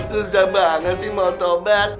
luza banget sih mau tobat